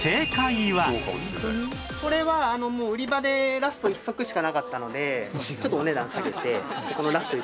これはもう売り場でラスト１足しかなかったのでちょっとお値段下げてこのラスト